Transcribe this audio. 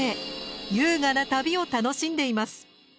優雅な旅を楽しんでいます。